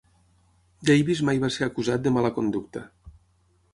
Davis mai va ser acusat de mala conducta.